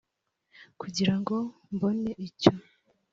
Kugira ngo mbone icyo